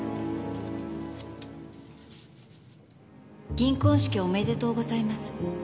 「銀婚式おめでとうございます」